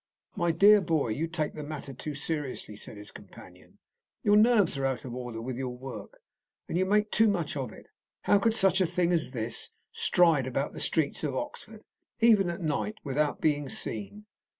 "My dear boy, you take the matter too seriously," said his companion. "Your nerves are out of order with your work, and you make too much of it. How could such a thing as this stride about the streets of Oxford, even at night, without being seen?"